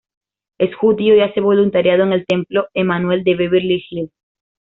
Es Judío y hace voluntariado en el Templo Emanuel de Beverly Hills.